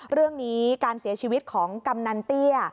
เรื่องนี้การเสียชีวิตของกำนันเตี้ย